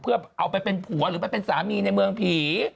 เพื่อเอาไปเป็นผัวหรือไปเป็นสามีในเมืองผี